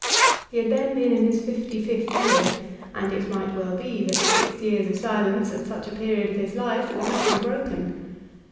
He had then been in his fifty fifth year, and it might well be that six years of silence at such a period of his life would not be broken.